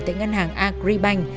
tại ngân hàng agribank